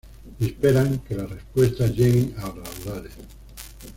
Y esperan que las respuestas lleguen a raudales.